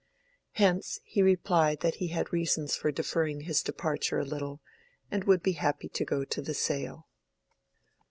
Hence he replied that he had reasons for deferring his departure a little, and would be happy to go to the sale.